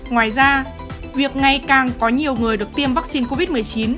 ngoài ra việc ngày càng có nhiều người được tiêm vaccine covid một mươi chín